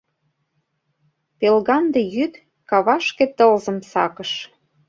«Пелганде йӱд кавашке тылзым сакыш...»